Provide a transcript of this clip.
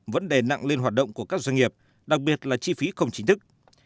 vấn đề nặng lên hoạt động của các doanh nghiệp đặc biệt là chi phí không chính thức